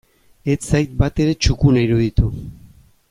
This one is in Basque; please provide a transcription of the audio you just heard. Ez zait batere txukuna iruditu.